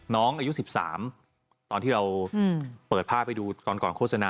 น้องอายุ๑๓ตอนที่เราเปิดภาพให้ดูตอนก่อนโฆษณา